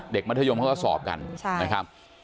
มัธยมเขาก็สอบกันนะครับ